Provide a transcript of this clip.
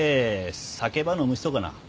酒ば飲む人かな？